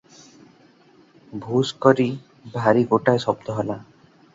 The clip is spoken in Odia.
ଭୁଷ୍ କରି ଭାରି ଗୋଟାଏ ଶବ୍ଦ ହେଲା ।